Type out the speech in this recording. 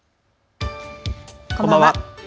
こんばんは。